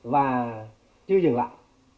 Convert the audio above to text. và chưa dừng lại